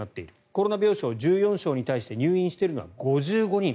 コロナ病床１４床に対して入院しているのは５５人。